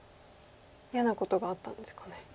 嫌なことがあったんですかね。